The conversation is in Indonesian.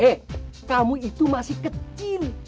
eh kamu itu masih kecil